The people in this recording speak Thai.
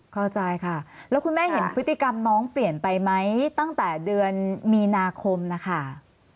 เข้าใจค่ะแล้วคุณแม่เห็นพฤติกรรมน้องเปลี่ยนไปไหมตั้งแต่เดือนมีนาคมนะคะ